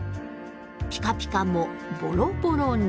ピカピカもボロボロに。